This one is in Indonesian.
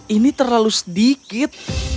ini terlalu sedikit